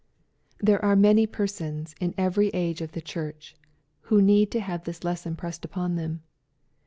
'' There are many persons in every age of the Church, who need to have this lesson pressed upon them.